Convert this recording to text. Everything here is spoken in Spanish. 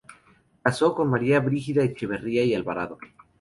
Casó con María Brígida Echeverría y Alvarado.